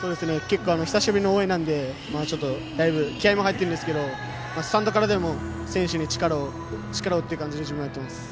久しぶりの応援なので気合いも入っているんですけどスタンドからでも選手に力をという感じで自分はやっています。